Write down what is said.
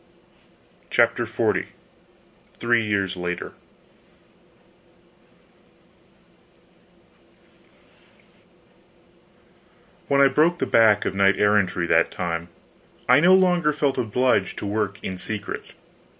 CHAPTER XL THREE YEARS LATER When I broke the back of knight errantry that time, I no longer felt obliged to work in secret.